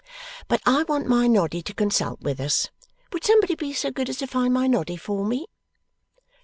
But I want my Noddy to consult with us. Would somebody be so good as find my Noddy for me?